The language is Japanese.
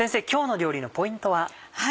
今日の料理のポイントは？